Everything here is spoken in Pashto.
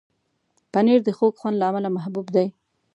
پنېر د خوږ خوند له امله محبوب دی.